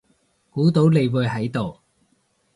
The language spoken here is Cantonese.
估到你會喺度